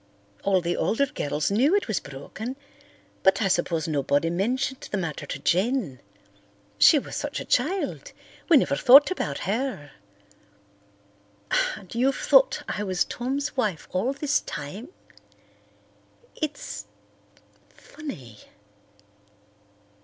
All the older girls knew it was broken but I suppose nobody mentioned the matter to Jen. She was such a child, we never thought about her. And you've thought I was Tom's wife all this time? It's—funny."